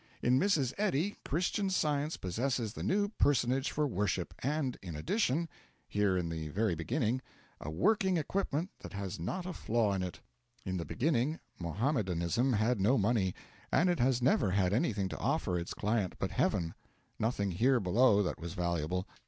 In Mrs. Eddy, Christian Science possesses the new personage for worship, and in addition here in the very beginning a working equipment that has not a flaw in it. In the beginning, Mohammedanism had no money; and it has never had anything to offer its client but heaven nothing here below that was valuable.